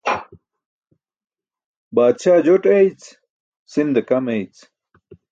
Baadsa joṭ eeyc, sinda kam eeyc.